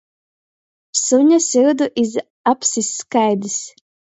Suņa syudu iz apsis skaidys!